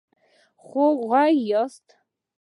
خوږغږي ياست